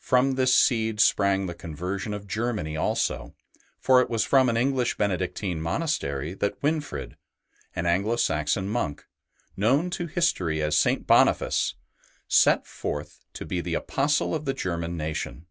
From this seed sprang the conversion of Germany also, for it was from an English Benedictine monastery that Winfrid, an Anglo Saxon monk, known to history as St. Boniface, set forth to be the Apostle of the German nation.